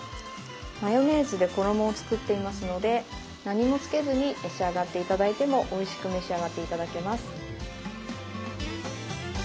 マヨネーズで衣を作っていますので何もつけずに召し上がって頂いてもおいしく召し上がって頂けます。